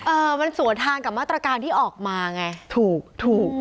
เออมันสวนทางกับมาตรการที่ออกมาไงถูกถูก